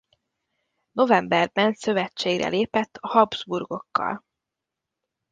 Novemberben szövetségre lépett a Habsburgokkal.